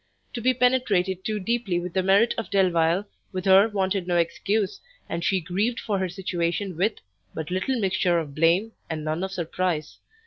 To be penetrated too deeply with the merit of Delvile, with her wanted no excuse, and she grieved for her situation with but little mixture of blame, and none of surprise.